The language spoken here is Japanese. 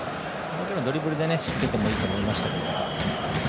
もちろんドリブルで行ってもいいと思いましたけど。